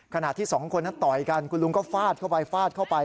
ขณะที่สองคนนั้นต่อยกันคุณลุงก็ฟาดเข้าไปฟาดเข้าไป